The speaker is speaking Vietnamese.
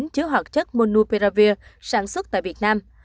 chứa hoạt chất monopiravir sản xuất tại việt nam